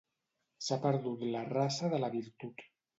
S'ha perdut la raça de la virtut.